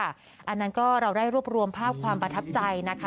อันนั้นก็เราได้รวบรวมภาพความประทับใจนะคะ